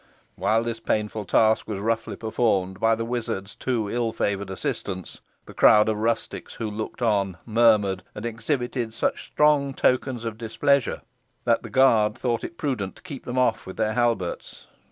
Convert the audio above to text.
While this painful task was roughly performed by the wizard's two ill favoured assistants, the crowd of rustics who looked on, murmured and exhibited such strong tokens of displeasure, that the guard thought it prudent to keep them off with their halberts.